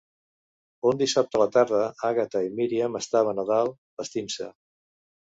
Un dissabte a la tarda, Agatha i Miriam estaven a dalt, vestint-se.